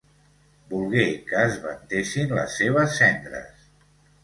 Volgué que esventessin les seves cendres.